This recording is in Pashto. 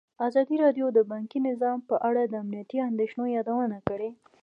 ازادي راډیو د بانکي نظام په اړه د امنیتي اندېښنو یادونه کړې.